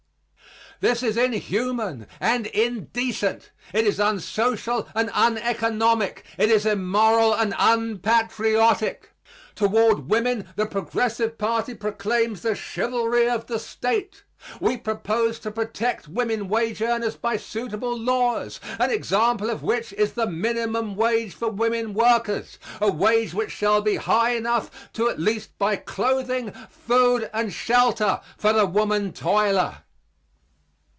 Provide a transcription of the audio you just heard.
This is inhuman and indecent. It is unsocial and uneconomic. It is immoral and unpatriotic. Toward women the Progressive party proclaims the chivalry of the State. We propose to protect women wage earners by suitable laws, an example of which is the minimum wage for women workers a wage which shall be high enough to at least buy clothing, food and shelter for the woman toiler.